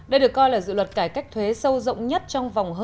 đây được coi là dự luật cải cách thuế sâu rộng nhất của đảng cộng hòa